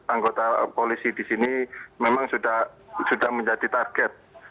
anggota polisi di sini memang sudah menjadi target